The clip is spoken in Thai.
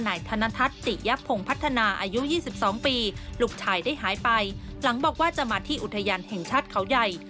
นายธนทัศน์ติยพงศ์พัฒนาอายุ๒๒ปีลูกชายได้หายไปหลังบอกว่าจะมาที่อุทยานแห่งชาติเขาใหญ่